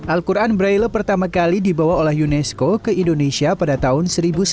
al quran braille pertama kali dibawa oleh unesco ke indonesia pada tahun seribu sembilan ratus sembilan puluh